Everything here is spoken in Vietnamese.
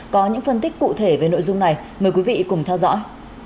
có những phân tích cụ thể về nội dung này mời quý vị cùng theo dõi